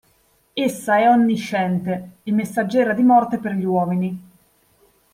Essa è onnisciente, e messaggera di morte per gli uomini.